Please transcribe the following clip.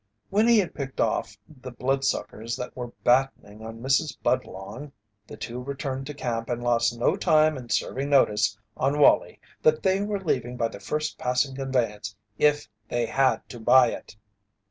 When he had picked off the blood suckers that were battening on Mrs. Budlong, the two returned to camp and lost no time in serving notice on Wallie that they were leaving by the first passing conveyance if they had to buy it.